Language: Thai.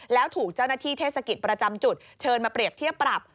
แล้วถูกเจ้าหน้าที่เทศกิจประจำจุดเชิญมาเปรียบเทียบปรับ